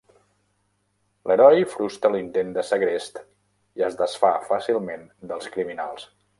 Leroy frustra l'intent de segrest i es desfà fàcilment dels criminals.